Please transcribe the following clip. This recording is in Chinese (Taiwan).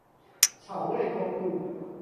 草瑞公路